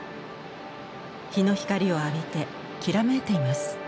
日の光を浴びてきらめいています。